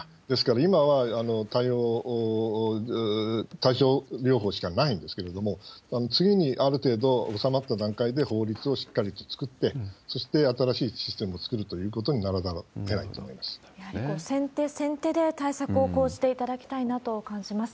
ですから、今は対症療法しかないんですけれども、次にある程度収まった段階で法律をしっかりと作って、そして新しいシステムを作るということにならざるをえないと思い先手先手で対策を講じていただきたいなと感じます。